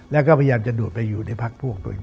แล้วก็พยายามจะดูดไปอยู่ในพักพวกตัวเอง